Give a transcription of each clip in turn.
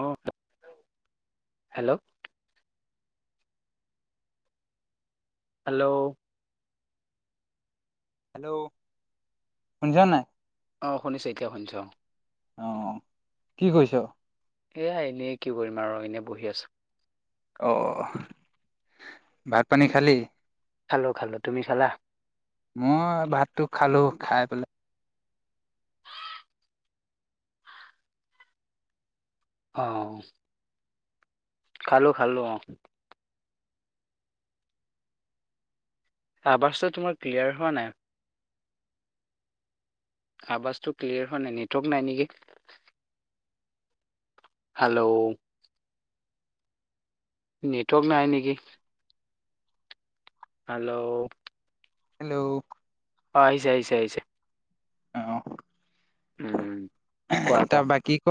অ, hello, hello, hello, শুনছা নাই? অ, শুনিছো এতিয়া শুনিছো অ, অ, কি কৰিছ? এয়া এনেই কি কৰিম আৰু এনেই বহি আছো। অ, ভাত পানী খালি? খালো- খালো। তুমি খালা? মই ভাতটো খালো খাই পেলাই অ', খালো -খালো অ, আৱছটো তোমাৰ ক্লিয়াৰ হোৱা নাই। আৱাজতটো ক্লিয়াৰ হোৱা নাই। নেটৱৰ্ক নাই নেকি? হেল্ল', নেটৱৰ্ক নাই নেকি? হেল্ল। হেল্ল। অ' আহিছে আহিছে আহিছে। অ' উম কোৱা কোৱা তাপা বাকি ক।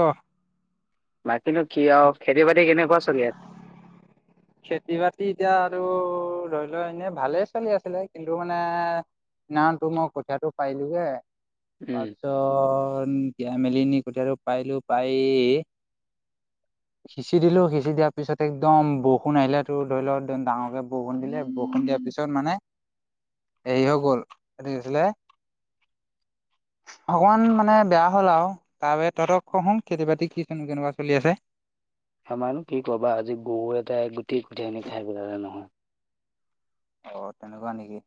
বাকীনো কি আৰু খেতি বাতি কেনেকুৱা চলি আছে? খেতি বাতি এতিয়া আৰু ধৰি লোৱা এনেই ভালেই চলি আছিলে কিন্তু মানে সিদিনাখন গৈ মই কঠিয়াটো পাৰিলোগে, উম তাৰপিছত তিয়াই মেলি নি গোটেইটো পাৰিলো, পাৰি সিঁচি দিলো, সিঁচি দিয়াৰ পিছত একদম ব ষুণ আহিলে তো ধৰি ল' ডাঙৰকে বৰষুণ দিলে বৰষুণ দিয়াৰ পিছত মানে হেৰি হৈ গ'ল, এটো কি আছিলে অকনমান মানে বেয়া হ'ল আও, তাৰবাহিৰে তহঁতৰ কচোন খেতি বাতি কি নো কেনেকুৱা চলি আছে? আমাৰো কি কবা আজি গৰু এটাই গোটেই কঠীয়া খিনি খাই পেলালে নহয়। অ' তেনেকুৱা নেকি?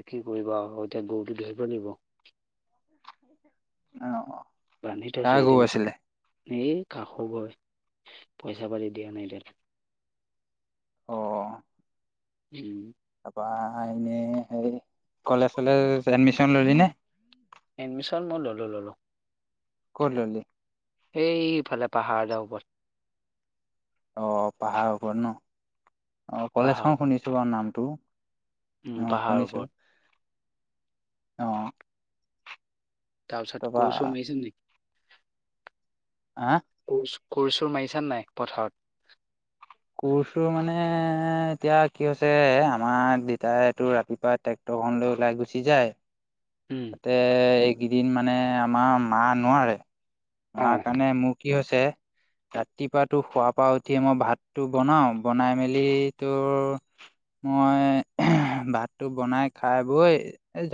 এতিয়া কি কৰিবা আৰু মই এতিয়া গৰুটো ধৰিব লাগিব। অ' বান্ধি থৈছো কাৰ এতিয়া গৰু আছিলে? এই কাষৰ ঘৰৰ, পইচা পাতি দিয়া নাই এতিয়ালে। অ'। উম। তাৰপা এনেই হেয়ি কলেজ চলেজ এডমিচন ললি নে? এডমিছন মই ললো ললোঁ। ক'ত ল'লি? এইফালে পাহাৰলে ওপৰত। অ' পাহাৰৰ ওপৰত ন', অ' পাহাৰৰ কলেজখন ওপৰত শুনিছো বাৰু নামটো। উম অ' পাহাৰ শুনিছো ওপৰত। অ'। তাপিছত তাৰপা কোৰ চোৰ মাৰিছ নেকি? হা কো কোৰ চোৰ মাৰিছা নাই পথাৰত? কোৰ চোৰ ৰ মানে এতিয়া কি হৈছে আমাৰ দেতাইতটো ৰাতিপুৱা ট্ৰেক্টৰ খন লৈ ওলাই গুচি যায়। উম তাতে এইকেইদিন মানে আমাৰ মা নোৱাৰে। অ মাৰ কাৰণে মোৰ কি হৈছে ৰাতিপুৱাটো শুৱা পা উঠিয়েই মই ভাতটো বনাও, বনাই মেলি তোৰ মই ভাতটো বনাই খাই বৈ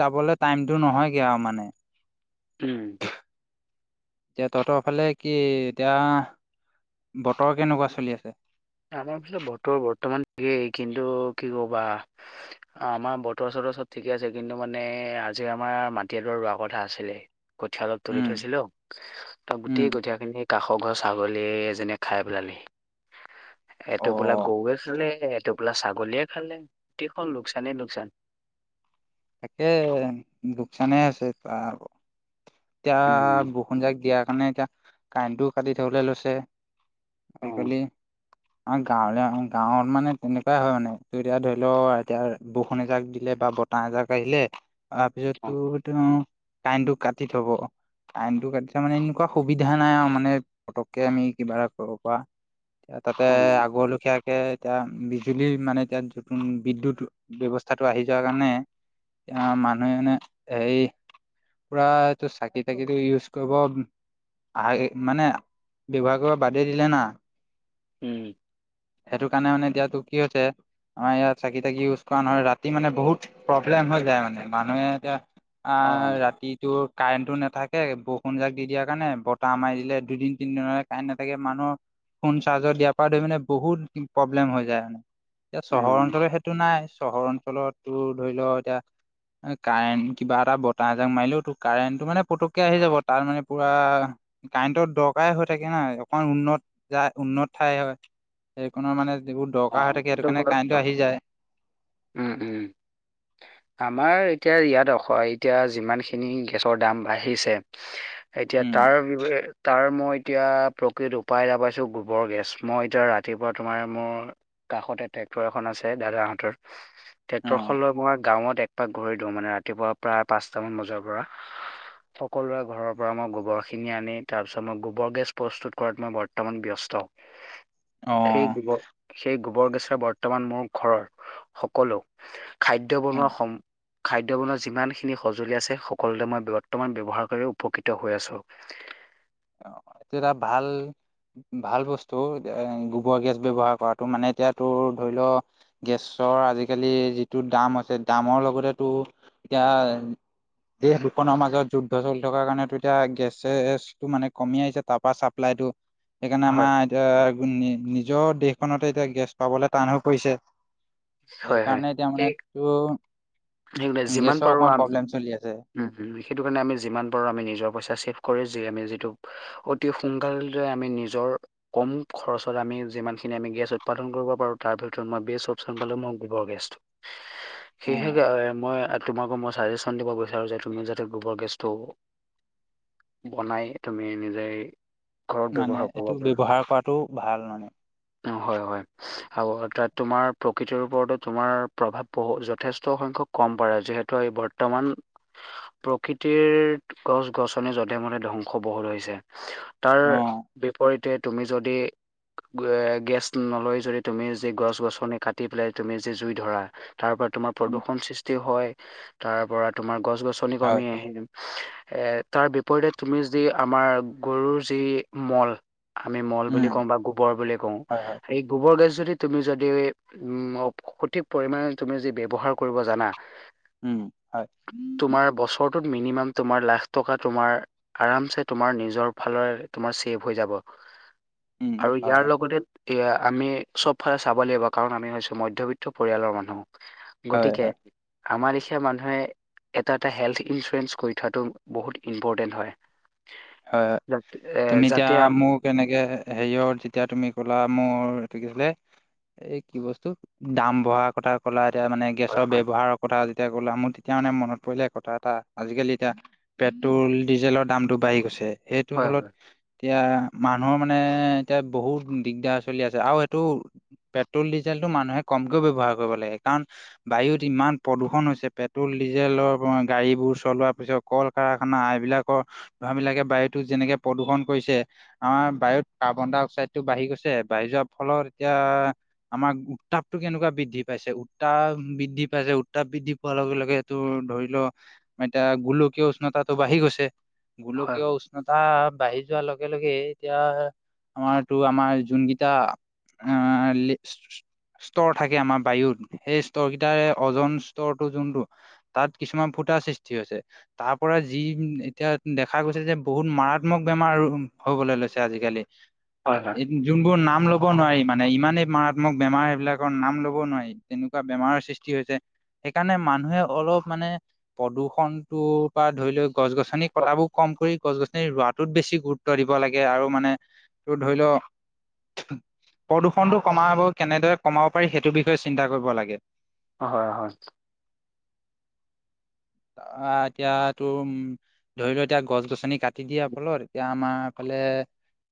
যাবলে টাইমতটো নহয়গে আৰু মান নে। উম। এতিয়া তহঁতৰ ফালে কি এতিয়া বতৰ কেনেকুৱা চলি আছে? আমাৰ আচতে বতৰ বৰ্তমান ঠিকেই কিন্তু কি কবা আমাৰ বতৰ ওচত চব ঠিকে আছে, কিন্তু মানে আজি আমাৰ মাটি এডৰ ৰোৱা কথা আছিলে। কঠীয়া অলপ তুলি উম থৈছিলো, ত উম গোটেই কঠিয়া খিনি কাষৰ ঘৰ ছাগলী এজনীয়ে খাই পেলালিহি, অ এইটো বোলা গৰুৱে চালে এইটোপোলা ছাগলীয়ে খালে, গোটেখন লোকচানে লোকচান। তাকে লোকচানে আছে তাকো। এতিয়া উম বৰষুণজাক দিয়াৰ কাৰণে এতিয়া কাৰেণ্টটোও কাটি থবলৈ লৈছে। অ আজিকালি অ' গাঁৱ গাঁৱত মানে তেনেকুৱাই হয় মানে, টো এতিয়া ধৰি ল' এতিয়া বৰষূণ এজাক দিলে বা ব তাহ এজাক আহিলে, তাৰপিছত অ তোৰ তেওঁ কাৰেইনটো কাটি থ'ব। কাৰেইনটো কাটি থলে মানে এনেকুৱা সুবিধা নাই আৰু মানে পতককে আমি কিবা এটা কৰিব পৰা। তাতে অ আগৰ লখিয়াকে এতিয়া বিজুলীৰ মানে এতিয়া নতুন বিদ্যুৎ ব্যৱস্থাটো আহি যোৱা কাৰণে আ, মানুহেই নাই, হেয়ি পুৰা এইটো চাকি, তাকিটো ইউজ কৰিব আহ মানে ব্যৱহাৰ কৰিব বাদেই দিলে না। উম। সেইটো কাৰণে মানে এতিয়াটো কি হৈছে। আমাৰ ইয়াত চাকি তাকি ইউজ কৰা নহয়। ৰাতি মানে বহুত প্ৰব্লেম হৈ যায় মানে মানুহে এতিয়া অ', ৰাতিটো কাৰেণ টো, নাথাকে বৰষুণজাক দি দিয়াৰ কাৰণে বতাহ মাৰি দিলে দুদিন, তিনিদিনৰ কাৰেণ্ট নাথাকে মানুহৰ ফোন চাৰ্জৰ দিয়াৰ পৰা ধৰি মানে বহুত প্ৰব্লেম হৈ যায়, এতিয়া চহৰ উম অঞ্চলত সেইটো নাই। চহৰ অঞ্চলত তোৰ ধৰি ল' এতিয়া কাৰেণ্ট কিবা এটা বতাহ এজাক মাৰিলেওতো কাৰেণ্টটো মানে পুতককে আহি যাব তাত মানে পুৰা কাৰেণ্টৰ দৰকাৰে হৈ থাকে না, অকন উন্নত যায় উন্নত ঠাই হয়। সেইকনৰ মানে যিবোৰ অ দৰকাৰ হৈ থাকে সেইটো হয় সেইটোকাৰণে কাৰেণ্টো বাৰু আহি যায়। উম উম আমাৰ এতিয়া ইয়াত অখ এতিয়া যিমানখিনি গেছৰ দাম বাঢ়িছে। এতিয়া উম, তাৰ [unintelligible] তাৰ মই এতিয়া প্ৰকৃত উপায় এটা পাইছোঁ গোবৰ গেছ, মই এতিয়া ৰাতিপুৱা তোমাৰ মোৰ কাষতে ট্ৰেক্টৰ এখন আছে দাদাহঁতৰ, ট্ৰেক্টৰ অ', খনলৈ মই গাঁৱত একপাক ঘূৰি দিওঁ মানে, ৰাতিপুৱা পৰা পাঁচটা মান বজাৰ পৰা। সকলোৰে ঘৰৰ পৰা মই গোবৰখিনি আনি তাৰপিছত মই গোবৰ গেছ প্ৰস্তুত কৰাত মই বৰ্তমান ব্যস্ত [unintelligible] সেই অ', গোবৰ সেই গোবৰ গেচা বৰ্তমান মোৰ ঘৰৰ সকলো খাদ্য বনোৱা সম খাদ্য বনোৱা যিমানখিনি সঁজুলি আছে, সকলোতে মই বৰ্তমান ব্যৱহাৰ কৰি উপকৃত হৈ আছোঁ। অ' এইটো এটা ভাল ভাল বস্তু এতিয়া গোবৰ গেছ ব্যৱহাৰ কৰাতটো মানে এতিয়া তোৰ ধৰি লওঁ গেছ গেছৰ আজিকালি যিটো দাম আছে দামৰ লগতেতো এতিয়া দেশ দুখনৰ মাজত যুদ্ধ চলি থকা কাৰণেটো এতিয়া গেছেছটো মানে কমি আহিছে তাৰপাৰ চাপ্লাই টো সেইকাৰণে হয় আমাৰ এতিয়া নিজৰ দেশখনতে এতিয়া গেছ পাবলৈ টান হৈ পৰিছে। সেইকাৰণে, এতিয়া মানে টোৰ তেওঁ যিমান পাৰোঁ আম আছে উম, উম, সেইটো কাৰণে আমি যিমান পাৰোঁ, আমি নিজৰ পইচা চেফ কৰি যি আমি যিটো অতি সোনকালতে আমি নিজৰ কম খৰচত আমি যিমানখিনি আমি গেছ উৎপাদন কৰিব পাৰোঁ। তাৰ ভিতৰত মই বেচ অপচন পালোঁ। মই গোবৰ গেছটো অ'। সেয়ে মই তোমাক মই চাজেচন দিব গৈছোঁ। আৰু যে তুমি যাতে গোবৰ গেছটো বনাই তুমি নিজে মানে এইটো ব্যৱহাৰ কৰাটো ভাল মানে। অ' হয়, হয়। আৰু তাত তোমাৰ প্ৰকৃতিৰ ওপৰতো তোমাৰ প্ৰভাৱ বহু যথেষ্ট সংখ্যক কম পাৰে যিহেতু এই বৰ্তমান প্ৰকৃতিৰ গছ গছনি যধে মধে ধ্বংস বহুত হৈছে। তাৰ অ বিপৰীতে তুমি যদি গেছ নলৈ যদি তুমি যি গছ গছনি কাটি পেলাই তুমি যি জুই ধৰা তাৰপৰা তোমাৰ উম প্ৰদূষণ সৃষ্টি হয়। তাৰপৰা তোমাৰ গছ গছনি হয় কমি হয় আহিল। এ তাৰ বিপৰীতে তুমি যি আমাৰ গৰুৰ যি মল আমি মল বুলি উম কওঁ বা গোবৰ বুলি কওঁ। হয় হয় এই গোবৰ গেছ তুমি যদি উম, সঠিক পৰিমাণে তুমি যদি ব্যৱহাৰ কৰিব জানা। উম, হয় তোমাৰ বছৰ মিনিমাম লাখ টকা তোমাৰ আৰামচে তোমাৰ নিজৰ ফালৰ চেভ হৈ যাব। উম আৰু হয় ইয়াৰ হয় লগতে এয়া আমি চবফালে চাব লাগিব কাৰণ আমিছোঁ মধ্যবিত্ত পৰিয়ালৰ মানুহ হয় গতিকে হয় আমাৰ এখয়া মানুহে এটা, এটা হেল্থ ইঞ্চুৰেঞ্চ কৰি থোৱাটো বহুত ইম্পৰটেণ্ট হয়। হয়-হয় যাতে এ, তুমি এতিয়া যাতে মোক কেনেকে হেৰিয়ত যেতিয়া তুমি ক'লা মোৰ ঠিক আছিলে, এই কি বস্তু দাম বঢ়া কথা কলা এতিয়া মানে হয় গেছৰ হয় ব্যৱহাৰৰ কথা এতিয়া গ'লো মোৰ তেতিয়া মানে মনত পৰিলে কথা এটা আজিকালি এতিয়া পেট্ৰল ডিজেলৰ দামটোঢ়ি গৈছে সেইটো হয় ফলত এতিয়া মানুহৰ মানে এতিয়া বহুত দিগদাৰ চলি আছে আৰু সেইটো পেট্ৰল, ডিজেলটো মানুহে কমকে ব্যৱহাৰ কৰিব লাগে কাৰণ বায়ুত ইমান প্ৰদূষণ হৈছে পেট্ৰল ডিজেলৰ গাড়ী বোৰ চলোৱাৰ পিছত কল কাৰখানা এইবিলাকৰ ধৰা বিলাকে বায়ু [unintelligible] যেনেকে প্ৰদূষণ কৰিছে। আমাৰ বায়ুত কাৰ্বন ডাই অক্সাইড টো বাঢ়ি গৈছে বা যোৱাৰ ফলত এতিয়া আমাৰ উত্তাপটো কেনেকুৱা বৃদ্ধি পাইছে উত্তাপ বৃদ্ধি পাইছে উত্তাপ বৃদ্ধি পোৱাৰ লগে-লগে তো ধৰি লও এতিয়া গোলকীয় উষ্ণতাটো বাঢ়ি গৈছে হয় গোলকীয় উষ্ণতা বাঢ়ি যোৱাৰ লগে-লগে এতিয়া আমাৰ তো আমাৰ যোনকেইটা অ', আ স্তৰ থাকে। আমাৰ বায়ুত সেই স্তৰকেইটাৰে অওজন স্তৰটো যোনটো তাত কিছুমান ফুট সৃষ্টি হৈছে তাৰ পৰা যি এতিয়া দে দেখা গৈছে যে বহুত মাৰাত্মক বেমাৰ হবলৈ লৈছে আজিকালি হয় যোনবোৰ নাম নাম ল'ব নোৱাৰি মানে ইমানেই মাৰাত্মক বেমাৰ সেইবিলাকৰ নাম ল'ব নোৱাৰি তেনেকুৱা বেমাৰৰ সৃষ্টি হৈছে সেইকাৰণে মানুহে অলপ মানে প্ৰদূষণটো পৰা ধৰি লও গছ গছনি তাবোৰ কম কৰি গছ গছনি ৰোৱটোত বেছি গুৰুত্ব দিব লাগে আৰু মানে ত ধৰি লও প্ৰদূষণটো কমাব কেনেদৰে কমাব পাৰি সেইটো বিষয়ে চিন্তা কৰিব লাগে হয়, হয় এতিয়া তোৰ উম ধৰি লও এতিয়া গছ গছনি কাটি দিয়ে ফলত এতিয়া আমাৰ ক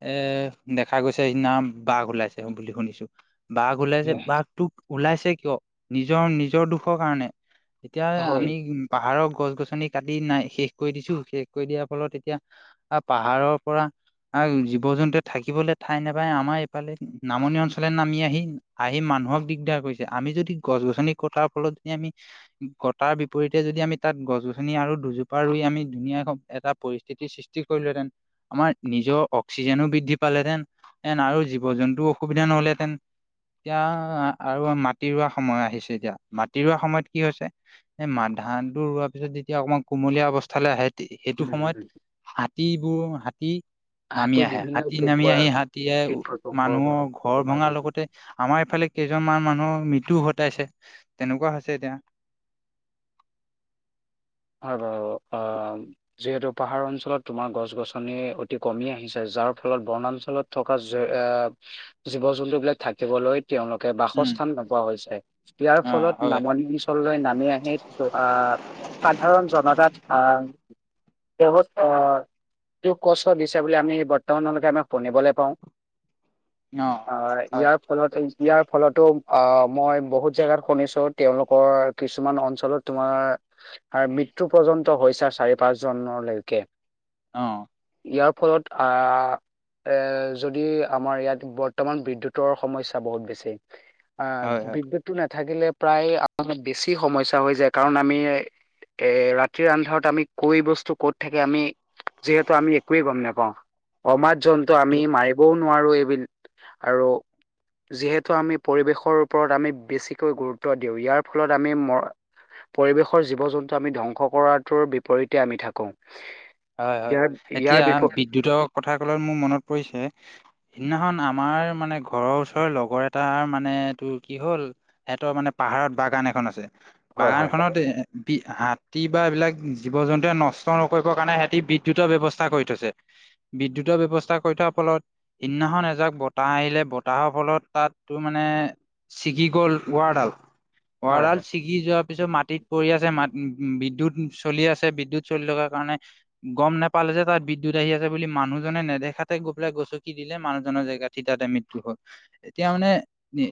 এৰ দেখা গৈছে সিদিনা বাঘ ওলাইছে বুলি শুনিছো বাঘ ওলাইছে বাঘটোক ওলাইছে কিয় নিজৰ নিজৰ দুখৰ কাৰণে এতিয়া হয় আমি উ পাহাৰৰ গছ গছনি কাটি নাই শেষ কৰি দিছো শেষ কৰি দিয়াৰ ফলত এতিয়া পাহাৰৰ পৰা জীৱ জন্তুৱে থাকিবলৈ ঠাই নাপায় আমাৰ এইফালে নামনি অঞ্চলে নামি আহি আহি ম মানুহক দিগদাৰ কৰিছে আমি যদি গছ গছনি কটাৰ ফলত যদি আমি কটাৰ বিপৰীতে তেয়া যদি আমি তাত গছ গছনি আৰু দুজোপা ৰুই আমি ধুনীয়া এটা পৰিস্থিতিৰ সৃষ্টি কৰিলোহেঁতেন আমাৰ নিজৰ অক্সিজেনো বৃদ্ধি পালেহেতেন তেতেন আৰু জীৱ জন্তুও অসুবিধা নহলেহেতেন এতিয়া আৰু মাটি ৰোৱা সময় আহিছে এতিয়া মাটি ৰোৱা সময়ত কি হৈছে এ ম ধানটো ৰোৱাৰ পিছত যেতিয়া অকণমান কুমলীয়া অৱস্থালৈ আহে সেইটো সময়ত হাতীবোৰ হাতী হাতে নামি আহে বিভিন্ন হাতী পোক নামি আহি হাতীয়ে কীট প্ৰকোপৰ পৰা মানুহৰ ঘৰ তোমাৰ ভঙাৰ যদি লগতে আমাৰ এইফালে কেইজনমান মানুহৰ মৃত্যু ঘটাইছে তেনেকুৱা হৈছে এতিয়া হয়, বাৰু অ যিহেতু পাহাৰ অঞ্চলত তোমাৰ গছ গছনি অতি কমি আহিছে যাৰ ফলত বনাঞ্চলত থকা জীৱ জন্তু বিলাক থাকিবলৈ তেওঁলোকে উম বাসস্থান নোপোৱা হৈছে, ইয়াৰ অ ফলত হয় হয় নামনি অঞ্চললৈ নামি আহি আহ [unintelligible] এই কষ্ট দিছে বুলি আমি বৰ্তমানলৈকে আমাক শুনিবলৈ পাওঁ অ', হয় ইয়াৰ ফলত ইয়াৰ ফলতো আহ মই বহুত জেগাত শুনিছোঁ, তেওঁলোকৰ কিছুমান অঞ্চলত তোমাৰ আৰু মৃত্যু পৰ্যন্ত হৈছে চাৰি পাঁচ জনলৈকে অ' ইয়াৰ ফলত অ' এই যদি আমাৰ ইয়াত বৰ্তমান বিদ্যুতৰ সমস্যা বহুত বেছি। হয় আহ হয় বিদ্যুতটো নাথাকিলে প্ৰায় বেছি সমস্যা হৈ যায় কাৰণ আমি এ ৰাতিৰ আন্ধাৰত আমি কৈ বস্তু ক'ত থাকে আমি যিহেতু আমি একোৱে গম নোপাও। অমাজ জন্তু এইটো আমি মাই বৌন নোৱাৰো এইবিল আৰু যিহেতু আমি পৰিৱেশৰ ওপৰত আমি বেছিকৈ গুৰুত্ব দিওঁ ইয়াৰ ফলত আমি মৰ পৰিৱেশৰ জীৱ জন্তু আমি ধ্বংস কৰাটোৰ বিপৰীতে আমি থাকো। হয় হয় ইয়াৰ ইয়াৰ এতিয়া বিপ বিদ্যুতৰ কথা কলত মোৰ মনত পৰিছে সিদিখন আমাৰ মানে ঘৰৰ ওচৰৰ লগৰ এটাৰ মানে তোৰ কি হ'ল সিহঁতৰ মানে পাহাৰত বাগা ন এখন আছে। হয় বাগান হয় খনত এ বি হাতী বা এইবিলাক জীৱ জন্তুৱে নষ্ট নকৰিবৰ কাৰণে সেত তি বিদ্যুতৰ ব্যৱস্থা কৰি থৈছে। বিদ্যুতৰ ব্যৱস্থা কৰি থোৱাৰ ফলত সেইদিনাখন এজাক বতাহ আহিলে বতাহৰ ফলত তাত তোৰ মানে ছিগি গ'ল ৱাৰডাল হয় ৱাৰডাল হয় ছিগি যোৱাৰ পিছত মাটিত পৰি আছে মাত উ উ বিদ্যুত চলি আছে বিদ্যুত চলি থকাৰ কাৰণে গম নাপালে যে তাত বিদ্যুত আহি আছে বুলি মানুহজনে নেদেখাতে গ পেলাই গচকি দিলে মানুহজনৰ জেগাত ঠিতাত মৃত্যু হ'ল। এতিয়া মানে নি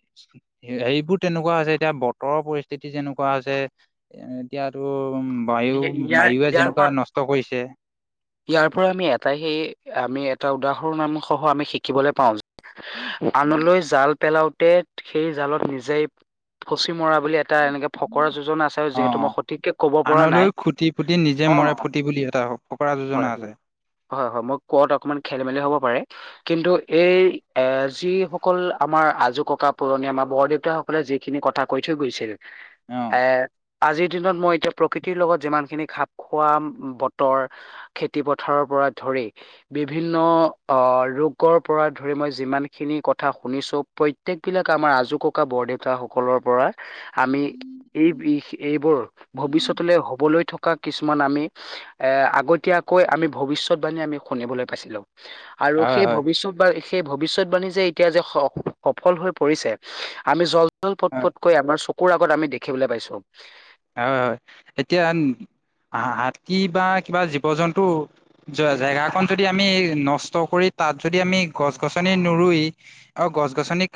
হেৰিবোৰ তেনেকুৱা হৈছে এতিয়া বতৰৰ পৰিস্থিতি যেনেকুৱা হৈছে এতিয়াতো বায়ু ইয়াৰ বায়ুে ইয়াৰ যেনেকুৱা পৰা নষ্ট কৰিছে। ইয়াৰ পৰা আমি এটাই সেই আমি এটা উদাহৰণসহ আমি শিকিবলৈ পাওঁ আনলৈ জাল পেলাও তে সেই জালত নিজেই ফচি মৰা বুলি এট টা এনেকে ফকৰা যোজনা আছে অ যিহেতু মই সঠিককে ক'ব পৰা আনলৈ নাই। খুটি পুটি নিজে অ মৰে ফুটি বুলি এটা ফকৰা যোজনা হয় আছে হয় হয় হয় মক কত অকমান খেলি মেলি হ'ব পাৰে কিন্তু এই এ যিসকল আমাৰ আজো ককা বা পুৰণি আমাৰ বৰ দেউতাসকলে যিখিনি কথা কৈ থৈ গৈছিল অ এ আজিৰ দিনত মই এতিয়া প্ৰকৃতিৰ লগত যিমানখিনি খাপ খোৱা বতৰ খেতি পথাৰৰ পৰা ধৰি বিভিন্ন আহ ৰোগৰ পৰা ধৰি মই যি মান খিনি কথা শুনিছো প্ৰত্যেক বিলাক আমাৰ আজো ককা বৰ দেউতা সকলৰ পৰা আমি এই বিষ এইবোৰ ভৱিষ্যতলৈ হবলৈ থ কিছুমান আমি এ আগতীয়াকৈ আমি ভৱিষ্যতবাণী আমি শুনিবলৈ পাইছিলো। আৰু হয় সেই হয় ভৱিষ্যত বা সেই ভৱিষ্যতবাণী এতিয়া স সফল হৈ পৰিছে আমি জ ল পট হয় পটকৈ আমাৰ চকুৰ আগত আমি দেখিবলৈ পাইছো। হ এতিয়ান হা হাতী বা কিবা জীৱ জন্তু জ জেগাকণ যদি আমি নষ্ট কৰি তাত যদি আমি গছ গছনি নৰুই অ গছ গছনিক